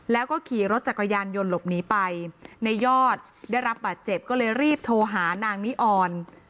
แล้วก็ขี่รถจักรยานยนต์หลบหนีไปในยอดได้รับบาดเจ็บก็เลยรีบโทรหานางนิออน